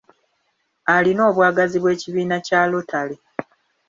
Alina obwagazi bw'ekibiina kya lotale.